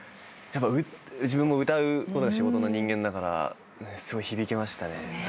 自分も歌うことが仕事の人間だからすごい響きましたね。